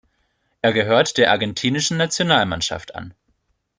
Er gehört der argentinischen Nationalmannschaft an.